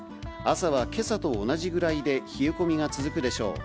朝はけさと同じぐらいで、冷え込みが続くでしょう。